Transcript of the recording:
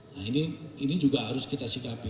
nah ini ini juga harus kita singkapi